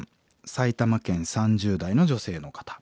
埼玉県３０代の女性の方。